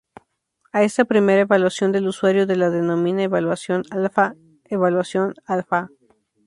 A esta primera evaluación del usuario de le denomina evaluación alpha evaluación alpha.